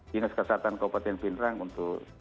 dinas kesehatan kabupaten pindrang untuk